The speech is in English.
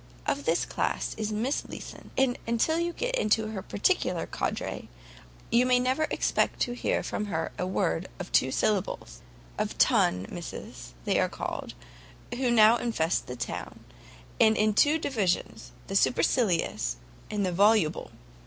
Of this class is Miss Leeson, and till you get into her particular coterie, you must never expect to hear from her a word of two syllables. The TON misses, as they are called, who now infest the town, are in two divisions, the SUPERCILIOUS, and the VOLUBLE.